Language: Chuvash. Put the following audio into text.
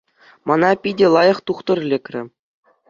Мана питӗ лайӑх тухтӑр лекрӗ.